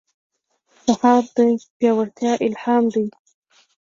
سهار د پیاوړتیا الهام دی.